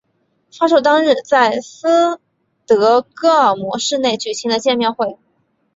发售当日在斯德哥尔摩市内举行了见面会。